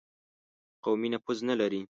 قومي نفوذ نه لري.